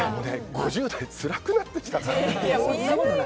５０代つらくなってきたからね。